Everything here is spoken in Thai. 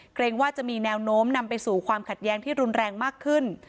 เกรงว่าจะมีแนวโน้มนำไปสู่ความขัดแย้งที่รุนแรงมากขึ้น